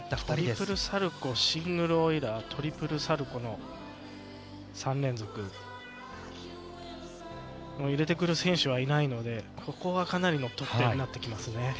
トリプルサルコウシングルオイラートリプルサルコウの３連続を入れてくる選手はいないのでここはかなりの得点になってきますね。